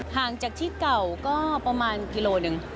ห่างจากที่เก่าก็ประมาณกิโลหนึ่ง